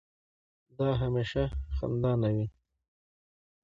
دا هميشه خندانه وي